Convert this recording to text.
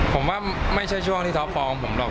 ผมว่าไม่ใช่ช่วงที่ท็อปฟอร์มผมหรอก